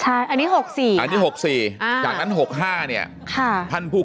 แฮปปี้เบิร์สเจทู